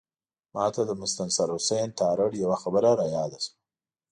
ماته د مستنصر حسین تارړ یوه خبره رایاده شوه.